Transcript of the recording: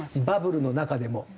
バブルの中でも。